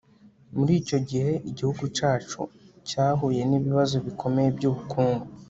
muri icyo gihe, igihugu cyacu cyahuye n'ibibazo bikomeye by'ubukungu